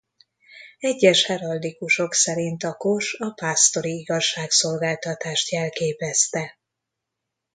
Egyes heraldikusok szerint a kos a pásztori igazságszolgáltatást jelképezte.